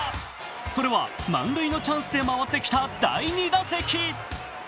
それは満塁のチャンスで回ってきた第２打席。